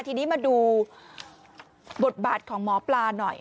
ทีนี้มาดูบทบาทของหมอปลาหน่อย